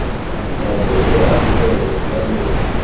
yabyutse afite umujinya mwinshi